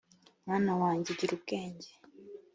mwana wanjye gira ubwenge